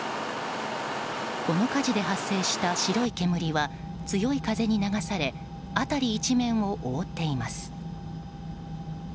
この火事で発生した白い煙は強い風に流され辺り一面を覆っています。